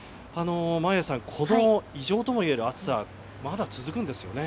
眞家さん、異常ともいえる暑さまだ続くんですよね？